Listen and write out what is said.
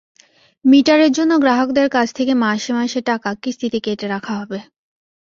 মিটারের জন্য গ্রাহকদের কাছ থেকে মাসে মাসে টাকা কিস্তিতে কেটে রাখা হবে।